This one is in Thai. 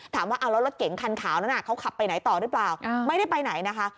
ถามว่าเอาแล้วรถเก๋งคันขาวนั้นเขาขับไปไหนต่อหรือเปล่าไม่ได้ไปไหนนะคะ